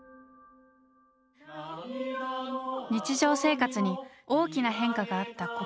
日常生活に大きな変化があった